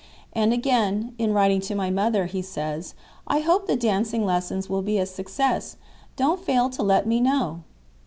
And again, in writing to my mother, he says: "I hope the dancing lessons will be a success. Don't fail to let me know."